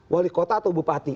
wali kota atau bupati